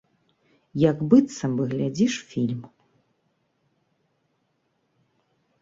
Як быццам бы глядзіш фільм.